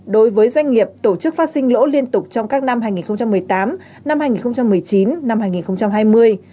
đối với doanh nghiệp tổ chức phát sinh lỗ liên tục trong các năm hai nghìn một mươi tám năm hai nghìn một mươi chín hai nghìn hai mươi